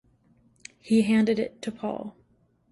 He handed it to Paul.